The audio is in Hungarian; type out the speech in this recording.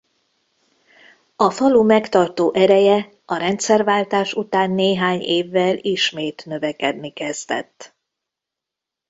A falu megtartó ereje a rendszerváltás után néhány évvel ismét növekedni kezdett.